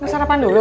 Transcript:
mau sarapan dulu